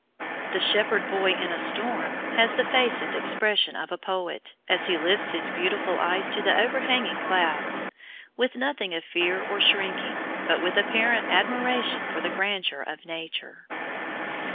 The Shepherd Boy in a Storm has the face and expression of a poet, as he lifts his beautiful eyes to the overhanging clouds, with nothing of fear or shrinking, but with apparent admiration for the grandeur of Nature.